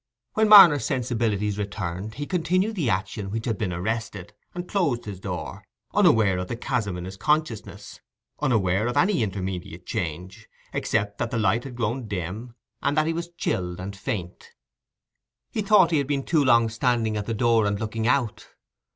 When Marner's sensibility returned, he continued the action which had been arrested, and closed his door, unaware of the chasm in his consciousness, unaware of any intermediate change, except that the light had grown dim, and that he was chilled and faint. He thought he had been too long standing at the door and looking out.